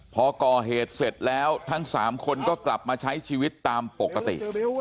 พอก่อเหตุเสร็จแล้วทั้ง๓คนก็กลับมาใช้ชีวิตตามปกติ